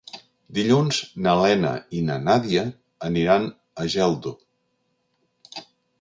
Dilluns na Lena i na Nàdia aniran a Geldo.